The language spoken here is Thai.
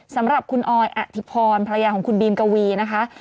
สำหรับคุณออยอธิพรภรรยาของคุณบีมกวีนะคะ